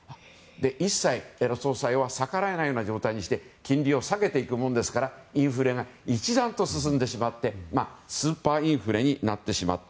一切、総裁は逆らえないような状態にして金利を下げていくものですからインフレが一段と進んでしまってスーパーインフレになってしまった。